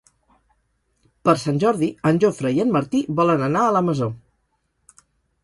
Per Sant Jordi en Jofre i en Martí volen anar a la Masó.